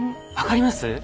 分かります？